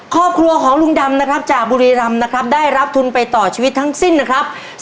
ครอบครัวของลุงดำนะครับจากบุรีรำนะครับได้รับทุนไปต่อชีวิตทั้งสิ้นนะครับ